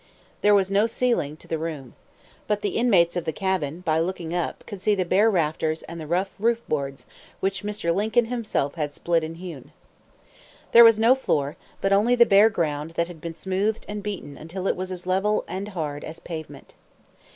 There was no ceiling to the room. But the inmates of the cabin, by looking up, could see the bare rafters and the rough roof boards, which Mr. Lincoln himself had split and hewn. There was no floor, but only the bare ground that had been smoothed and beaten until it was as level and hard as pavement.